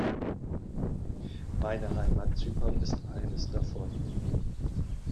Meine Heimat Zypern ist eines davon.